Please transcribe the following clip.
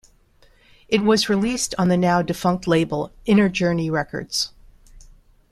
It was released on the now defunct label 'Inner Journey Records'.